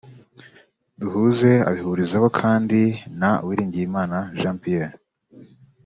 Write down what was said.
Duhuze abihurizaho kandi na Uwiringiyimana Jean Pierre